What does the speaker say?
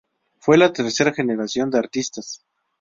Fue la tercera generación de artistas.